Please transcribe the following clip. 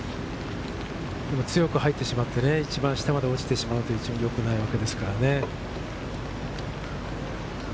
強く入ってしまってね、一番下まで落ちてしまうという、よくないわけですからね。